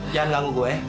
jangan ganggu gue